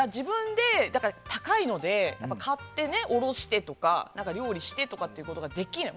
高いので自分で買っておろしてとか料理してということができない。